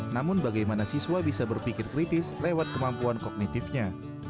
namun bagaimana siswa bisa berpikir kritis lewat kemampuan kognitifnya